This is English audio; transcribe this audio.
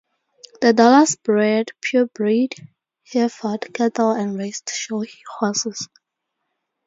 The Dollars bred purebred Hereford cattle and raised show horses.